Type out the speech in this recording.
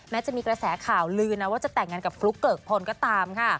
จะมีกระแสข่าวลือนะว่าจะแต่งงานกับฟลุ๊กเกิกพลก็ตามค่ะ